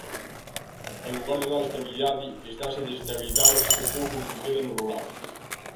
En lugar de dar estabilidade, estase a desestabilizar o pouco que queda no rural.